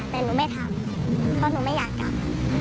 แต่หนูไม่ทำเพราะหนูไม่อยากจับ